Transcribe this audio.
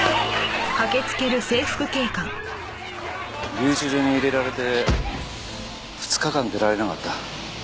留置場に入れられて２日間出られなかった。